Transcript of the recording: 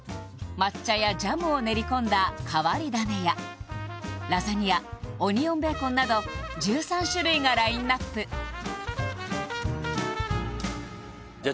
抹茶やジャムを練り込んだ変わり種やラザニアオニオンベーコンなど１３種類がラインナップじゃあ